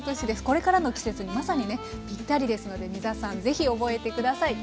これからの季節にまさにねぴったりですので皆さん是非覚えて下さい。